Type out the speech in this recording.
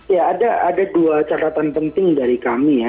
ya ada dua catatan penting dari kami ya